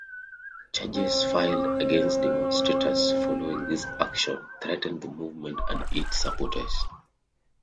Charges filed against demonstrators following this action threatened the movement and its supporters.